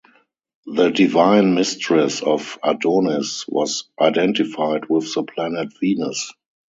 The divine mistress of Adonis was identified with the planet Venus.